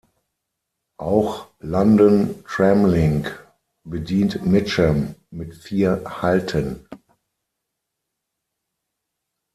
Auch London Tramlink bedient Mitcham mit vier Halten.